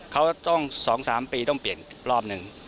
เขาต้อง๒๓ปีต้องเปลี่ยนอีกรอบหนึ่ง